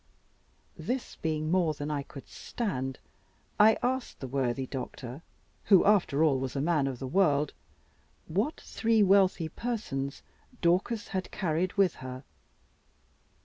This being more than I could stand, I asked the worthy doctor who, after all, was a man of the world what three wealthy persons Dorcas had carried with her.